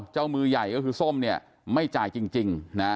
เจ้ามือใหญ่ส้มไม่จ่ายจริง